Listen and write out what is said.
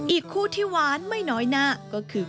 อีกคู่ที่หวานไม่น้อยหน้าก็คือ